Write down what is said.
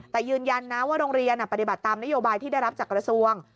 แต่ยืนยันนะว่าโรงเรียนปฏิบัติตามนโยบายที่ได้รับจากกระทรวง